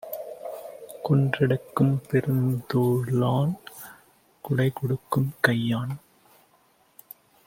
குன்றெடுக்கும் பெருந்தோளான் கொடைகொடுக்கும் கையான்!